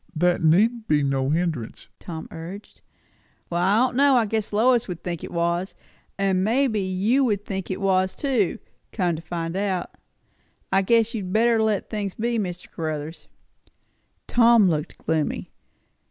"That need be no hindrance," Tom urged. "Well, I don' know. I guess Lois would think it was. And maybe you would think it was, too, come to find out. I guess you'd better let things be, Mr. Caruthers." Tom looked very gloomy.